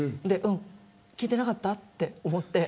聞いてなかったって思って。